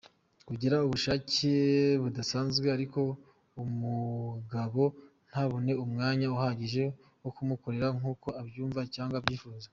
Kugira ubushake budasanzwe ariko umugabo ntabone umwanya uhagije wo kumukorera nkuko abyumva cg abyifuza.